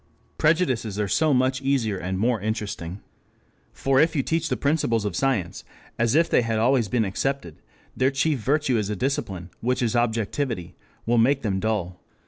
Prejudices are so much easier and more interesting. For if you teach the principles of science as if they had always been accepted, their chief virtue as a discipline, which is objectivity, will make them dull.